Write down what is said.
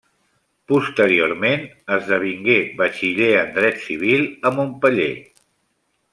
Posteriorment esdevingué batxiller en dret civil a Montpeller.